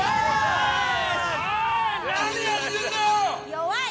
弱い！